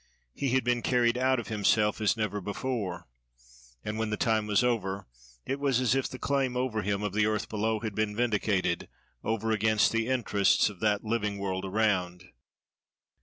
He had been carried out of himself as never before; and when the time was over, it was as if the claim over him of the earth below had been vindicated, over against the interests of that living world around.